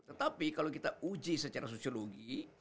tetapi kalau kita uji secara sosiologi